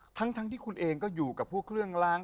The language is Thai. เดี๋ยวนะทั้งที่คุณเองอยู่หลังก์ดอก